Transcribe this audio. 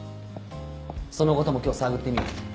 そのことも今日探ってみよう。